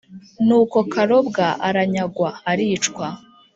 nuko karobwa aranyagwa aracibwa,